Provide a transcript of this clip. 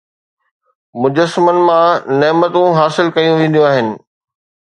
مجسمن مان نعمتون حاصل ڪيون وينديون آهن